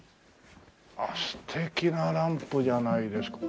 あっ素敵なランプじゃないですか。